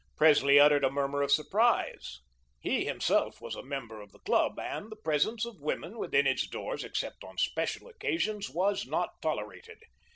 Presley uttered a murmur of surprise. He, himself, was a member of the club, and the presence of women within its doors, except on special occasions, was not tolerated.